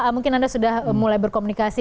mungkin anda sudah mulai berkomunikasi